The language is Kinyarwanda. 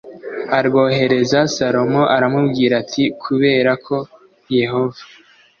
arwoherereza Salomo aramubwira ati kubera ko Yehova